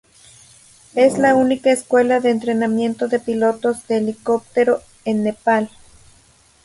Es la única escuela de entrenamiento de pilotos de helicóptero en Nepal.